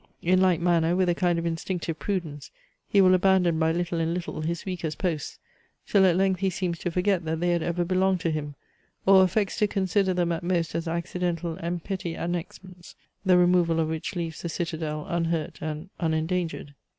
In like manner with a kind of instinctive prudence, he will abandon by little and little his weakest posts, till at length he seems to forget that they had ever belonged to him, or affects to consider them at most as accidental and "petty annexments," the removal of which leaves the citadel unhurt and unendangered.